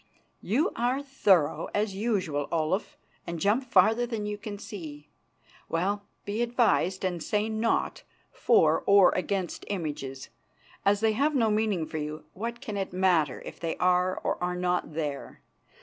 "You are thorough, as usual, Olaf, and jump farther than you can see. Well, be advised and say naught for or against images. As they have no meaning for you, what can it matter if they are or are not there?